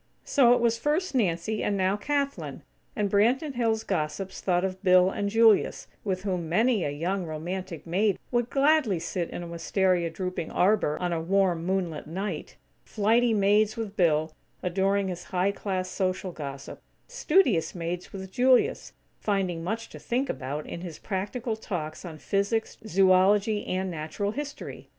So it was first Nancy, and now Kathlyn; and Branton Hills' gossips thought of Bill and Julius, with whom many a young, romantic maid would gladly sit in a wistaria drooping arbor on a warm, moon lit night; flighty maids with Bill, adoring his high class social gossip; studious maids with Julius, finding much to think about in his practical talks on physics, zoology, and natural history.